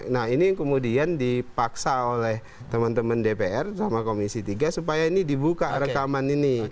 nah ini kemudian dipaksa oleh teman teman dpr sama komisi tiga supaya ini dibuka rekaman ini